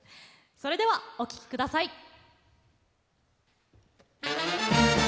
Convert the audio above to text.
それではお聴き下さい。